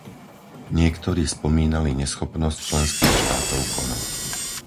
Niektorí spomínali neschopnosť členských štátov konať.